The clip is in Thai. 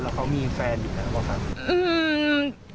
แล้วเขามีแฟนอยู่แล้วหรือเปล่าครับ